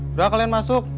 sudah kalian masuk